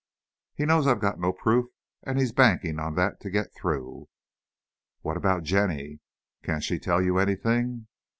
He knows I've got no proof, and he's banking on that to get through." "What about Jenny? Can't she tell you anything?"